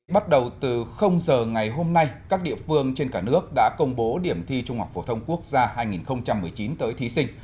bắt đầu từ giờ ngày hôm nay các địa phương trên cả nước đã công bố điểm thi trung học phổ thông quốc gia hai nghìn một mươi chín tới thí sinh